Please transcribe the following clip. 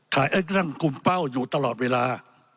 ขายเอ็กซ์นั่งกุมเป้าอยู่ตลอดเวลา